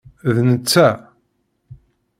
D netta.